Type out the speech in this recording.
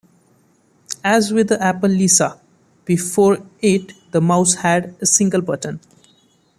As with the Apple Lisa before it, the mouse had a single button.